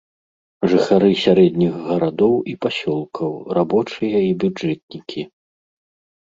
Жыхары сярэдніх гарадоў і пасёлкаў, рабочыя і бюджэтнікі.